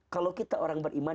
kalau kita orang beriman